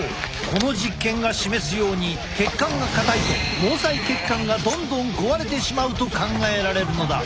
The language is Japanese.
この実験が示すように血管が硬いと毛細血管がどんどん壊れてしまうと考えられるのだ。